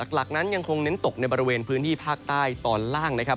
หลักนั้นยังคงเน้นตกในบริเวณพื้นที่ภาคใต้ตอนล่างนะครับ